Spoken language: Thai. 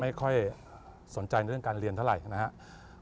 ไม่ค่อยสนใจในเรื่องการเรียนเท่าไหร่นะครับ